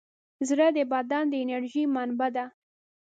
زړه د بدن د انرژۍ منبع ده.